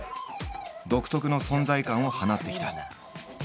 独特の存在感を放ってきた。